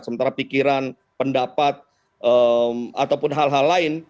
sementara pikiran pendapat ataupun hal hal lain